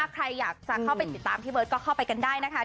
ใครอยากจะเข้าไปติดตามพี่เบิร์ตก็เข้าไปกันได้นะคะ